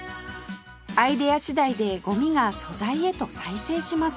アイデア次第でゴミが素材へと再生します